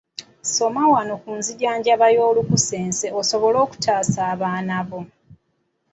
Soma wano ku nzijjanjaba y'olukusense osobole okutaasa abaana bo.